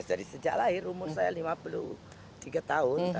dari sejak lahir umur saya lima puluh tiga tahun